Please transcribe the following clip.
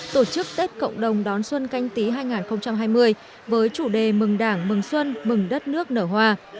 tổ chức tết cộng đồng đón xuân canh tí hai nghìn hai mươi với chủ đề mừng đảng mừng xuân mừng đất nước nở hoa